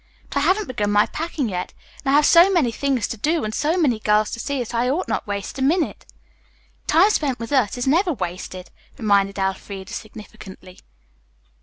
"But I haven't begun my packing yet, and I have so many things to do and so many girls to see that I ought not waste a minute." "Time spent with us is never wasted," reminded Elfreda significantly.